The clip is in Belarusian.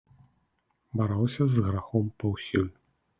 Бароўся з грахом паўсюль.